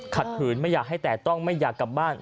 ขืนไม่อยากให้แต่ต้องไม่อยากกลับบ้าน